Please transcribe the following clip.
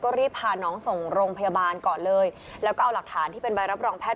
รีบพาน้องส่งโรงพยาบาลก่อนเลยแล้วก็เอาหลักฐานที่เป็นใบรับรองแพทย